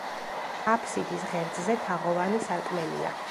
აფსიდის ღერძზე თაღოვანი სარკმელია.